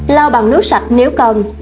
lao bằng nước sạch nếu cần